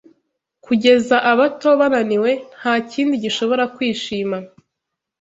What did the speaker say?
Kugeza abato, bananiwe, Ntakindi gishobora kwishima